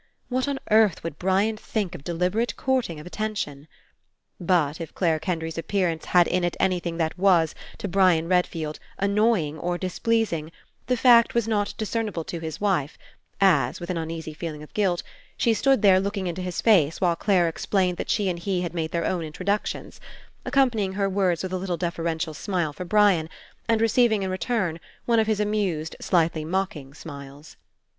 What on earth would Brian think of deliberate courting of attention? But if Clare Kendry's appearance had in it anything that was, to Brian Redfield, annoying or displeasing, the fact was not discernible to his wife as, with an uneasy feeling of guilt, she stood there look ing into his face while Clare explained that she and he had made their own introductions, ac companying her words with a little deferential smile for Brian, and receiving in return one of his amused, slightly mocking smiles.